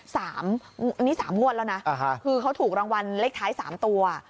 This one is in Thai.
อันนี้สามงวดแล้วนะคือเขาถูกรางวัลเลขท้ายสามตัว